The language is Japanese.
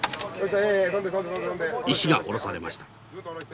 石が下ろされました。